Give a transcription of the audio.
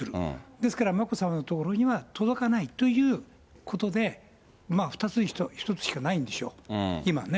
ですから、眞子さまのところには届かないということで、２つに１つしかないんでしょう、今ね。